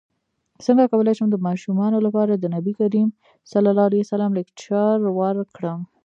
څنګه کولی شم د ماشومانو لپاره د نبي کریم ص لیکچر ورکړم